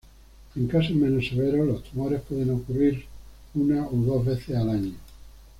En casos menos severos, los tumores pueden ocurrir una o dos veces al año.